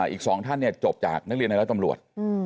อีก๒ท่านจบจากนักเรียนในร้อยตำรวจ